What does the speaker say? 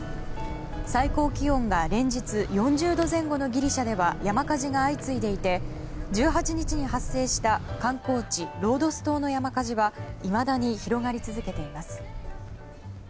最高気温が連日４０度前後のギリシャでは山火事が相次いでいて１８日に発生した観光地ロードス島の山火事はいまだに広がり続けています。